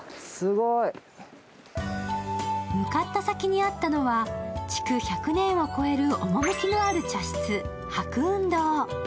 向かった先にあったのは築１００年を超える趣のある茶室、白雲洞